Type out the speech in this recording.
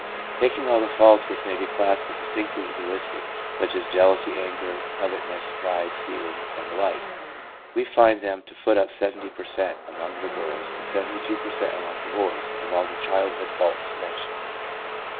Taking all the faults which may be classed as distinctly egoistic, such as jealousy, anger, covetousness, pride, stealing, and the like, we find them to foot up 70 per cent, among the girls and 72 per cent, among the boys of all the child hood faults mentioned.